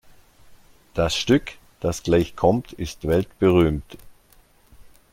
Das Stück, das gleich kommt, ist weltberühmt.